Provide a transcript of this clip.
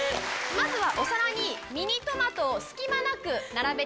まずは。